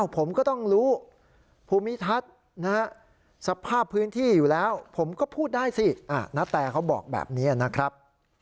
ผมก็ต้องรู้ภูมิทัศน์สภาพพื้นที่อยู่แล้วผมก็พูดได้สิณแตเขาบอกแบบนี้นะครับ